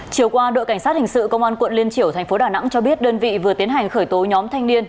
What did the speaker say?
chiều qua đội cảnh sát hình sự công an quận liên triểu thành phố đà nẵng cho biết đơn vị vừa tiến hành khởi tố nhóm thanh niên